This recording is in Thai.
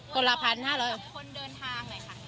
ก้อนละ๑๕๐๐ข้ายิ่ง